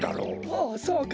ああそうか。